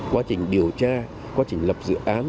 quá trình điều tra quá trình lập dự án